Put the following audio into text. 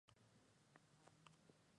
Nunca ha ganado el Festival.